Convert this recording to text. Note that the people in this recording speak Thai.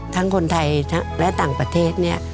คนไทยและต่างประเทศเนี่ย